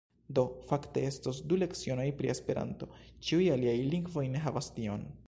Do fakte estos du lecionoj pri esperanto ĉiuj aliaj lingvoj ne havas tion.